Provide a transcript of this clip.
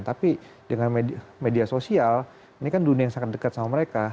tapi dengan media sosial ini kan dunia yang sangat dekat sama mereka